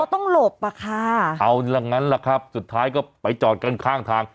ต้องหลบอ่ะค่ะเอาละงั้นล่ะครับสุดท้ายก็ไปจอดกันข้างทาง